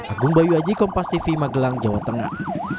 agung bayu aji kompas tv magelang jawa tengah